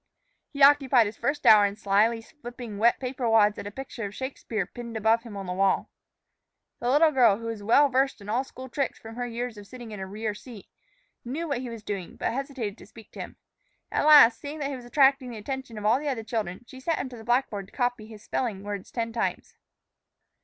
He occupied his first hour in slyly flipping wet paper wads at a picture of Shakspere pinned above him on the wall. The little girl, who was well versed in all school tricks from her years of sitting in a rear seat, knew what he was doing, but hesitated to speak to him. At last, seeing that he was attracting the attention of all the other children, she sent him to the blackboard to copy his spelling ten times.